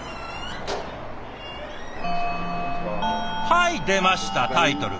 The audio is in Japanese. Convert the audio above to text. はい出ましたタイトル。